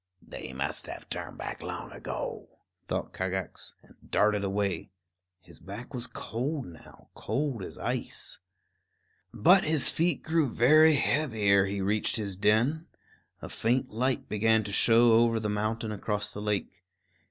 "They must have turned back long ago," thought Kagax, and darted away. His back was cold now, cold as ice. But his feet grew very heavy ere he reached his den. A faint light began to show over the mountain across the lake.